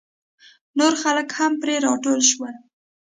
نور خلک هم پرې راټول شول.